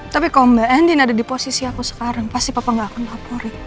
tapi kalau mbak andin ada di posisi aku sekarang pasti papa gak akan kapolri